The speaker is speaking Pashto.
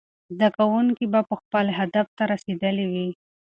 زده کوونکي به خپل هدف ته رسېدلي وي.